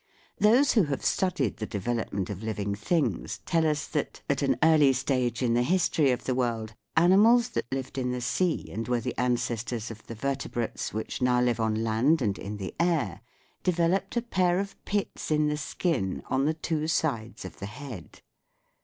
Those who have studied the development of living things tell us that, at an early stage in the history of the world, animals that lived in the sea and were the ancestors of the vertebrates which now live on land and in the air, developed a pair of pits in the skin on the two sides of the head.